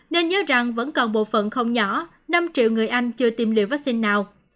nên nhớ rằng vẫn còn bộ phận không nhỏ năm triệu người anh chưa tiêm liều vaccine nào